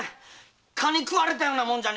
蚊に喰われたようなもんじゃ！